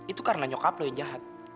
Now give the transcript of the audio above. itu karena nyokap lo yang jahat